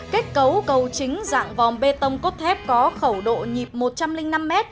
kết cấu cầu chính dạng vòng bê tông cốt thép có khẩu độ nhịp một trăm linh năm m